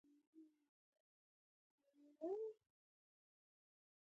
زده کړه نجونو ته د قانون حاکمیت ور زده کوي.